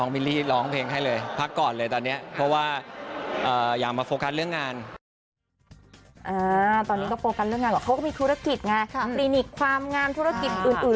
พลีนิคความงามธุรกิจอื่น